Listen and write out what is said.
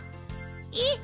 えっ？